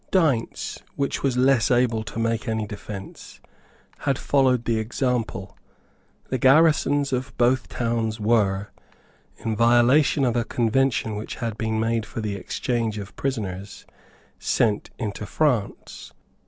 Deynse, which was less able to make any defence, had followed the example. The garrisons of both towns were, in violation of a convention which had been made for the exchange of prisoners, sent into France.